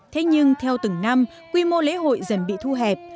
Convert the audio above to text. thế nhưng theo từng năm quy mô lễ hội dần bị thu hẹp